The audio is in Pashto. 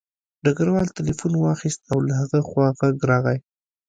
ډګروال تیلیفون واخیست او له هغه خوا غږ راغی